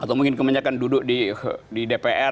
atau mungkin kebanyakan duduk di dpr